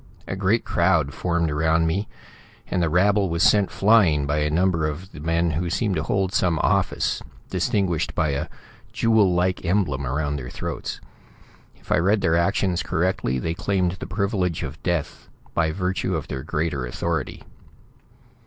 A great crowd formed around me, and the rabble was sent flying by a number of the men who seem to hold some office, distinguished by a jewel like emblem around their throats. If I read their actions correctly, they claimed the privilege of death by virtue of their greater authority.